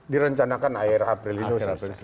direncanakan akhir april ini